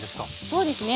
そうですね。